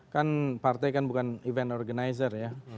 kan partai kan bukan event organizer ya